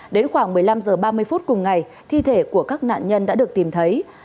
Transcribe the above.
đến khoảng một mươi năm h ba mươi phút cùng ngày thi thể của các nạn nhân đã được tìm thấy